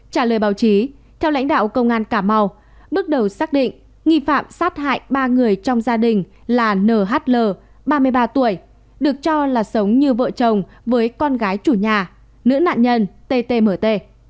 trả lời báo chí theo lãnh đạo công an cà mau bước đầu xác định nghi phạm sát hại ba người trong gia đình là nhl ba mươi ba tuổi được cho là sống như vợ chồng với con gái chủ nhà nữ nạn nhân ttmt